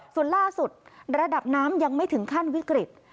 ส่วนล่าสุดระดับน้ำยังไม่ถึงขั้นวิกฤต